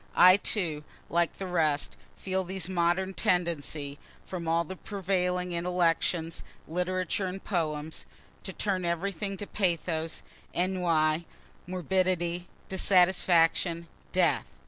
I, too, like the rest, feel these modern tendencies (from all the prevailing intellections, literature and poems,) to turn everything to pathos, ennui, morbidity, dissatisfaction, death.